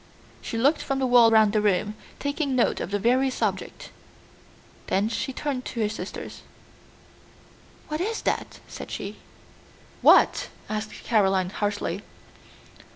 She looked from the wall round the room, taking note of the various objects. Then she turned to her sisters. "What is that?" said she. "What?" asked Caroline harshly.